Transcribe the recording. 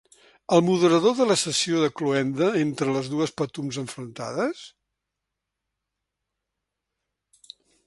El moderador de la sessió de cloenda entre les dues patums enfrontades?